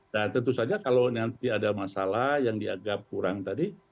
dan tentu saja kalau nanti ada masalah yang diagap kurang tadi